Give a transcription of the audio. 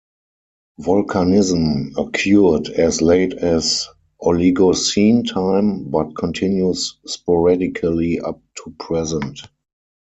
Volcanism occurred as late as Oligocene time, but continues sporadically up to present.